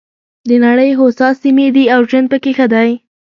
د نړۍ هوسا سیمې دي او ژوند پکې ښه دی.